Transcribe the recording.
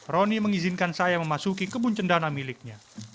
roni mengizinkan saya memasuki kebun cendana miliknya